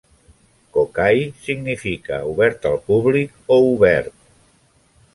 "Kokai" significa "obert al públic" o "obert".